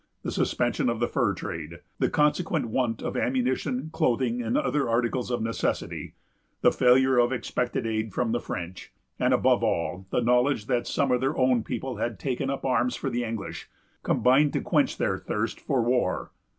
The suspension of the fur trade; the consequent want of ammunition, clothing, and other articles of necessity; the failure of expected aid from the French; and, above all, the knowledge that some of their own people had taken up arms for the English, combined to quench their thirst for war.